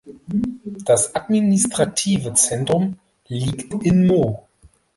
Das administrative Zentrum liegt in "Mo".